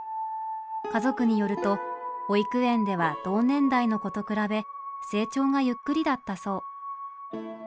家族によると保育園では同年代の子と比べ成長がゆっくりだったそう。